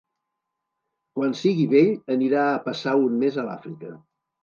Quan sigui vell anirà a passar un mes a l'Àfrica.